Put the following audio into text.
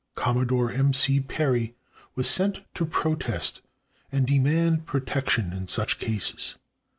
Commo dore M, C. Perry was sent to protest and demand protection in such cases.